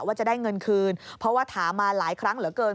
ว่าจะได้เงินคืนเพราะว่าถามมาหลายครั้งเหลือเกิน